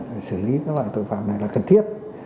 để xử lý các loại tội phạm này là cần thiết